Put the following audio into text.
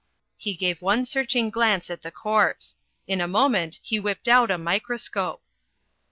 He gave one searching glance at the corpse. In a moment he whipped out a microscope.